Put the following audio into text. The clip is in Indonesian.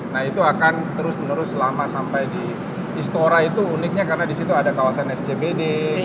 nah itu akan terus menerus selama sampai di istora itu uniknya karena di situ ada kawasan scbd